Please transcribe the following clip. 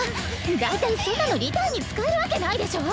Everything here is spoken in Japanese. だいたいそんなのリターンに使えるわけないでしょ。